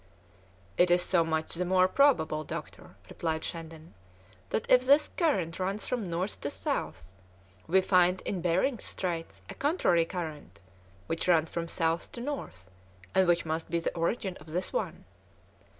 "It is so much the more probable, doctor," replied Shandon, "that if this current runs from north to south we find in Behring's Straits a contrary current which runs from south to north, and which must be the origin of this one."